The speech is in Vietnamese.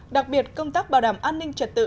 đặc biệt công tác bảo đảm an ninh trật tự